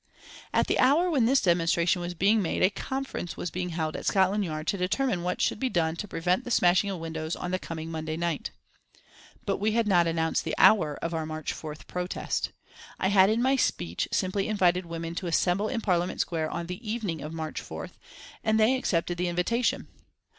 At the hour when this demonstration was being made a conference was being held at Scotland Yard to determine what should be done to prevent the smashing of windows on the coming Monday night. But we had not announced the hour of our March 4th protest. I had in my speech simply invited women to assemble in Parliament Square on the evening of March 4th, and they accepted the invitation.